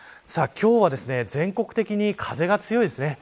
今日は全国的に風が強いですね。